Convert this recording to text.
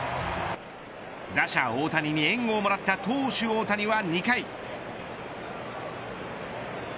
打者大谷に援護をもらった投手大谷は２回。